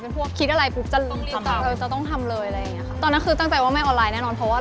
เพราะว่าจริงอย่างที่บอกว่าเป็นพวก